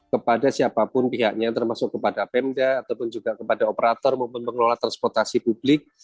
kepada siapapun pihaknya termasuk kepada pemda ataupun juga kepada operator maupun pengelola transportasi publik